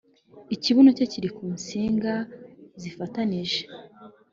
ikibuno cye kiri ku nsinga zifatanije